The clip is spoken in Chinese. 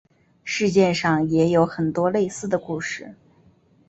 世界上也有很多类似的故事。